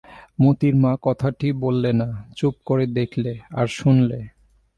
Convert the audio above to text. মোতির মা কথাটি বললে না, চুপ করে দেখলে, আর শুনলে।